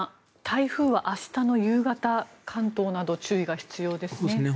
台風は明日の夕方関東など注意が必要ですね。